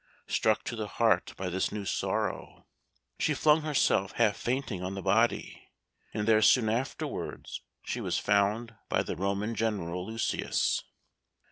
Struck to the heart by this new sorrow, she flung herself half fainting on the body, and there soon afterwards she was found by the Roman General, Lucius.